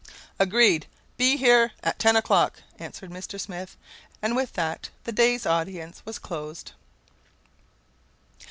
"Agreed. Be here at ten o'clock," answered Mr. Smith; and with that the day's audience was closed.